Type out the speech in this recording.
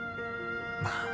まあ。